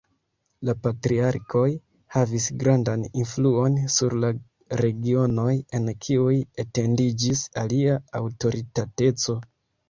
La patriarkoj havis grandan influon sur la regionoj en kiuj etendiĝis ilia aŭtoritateco.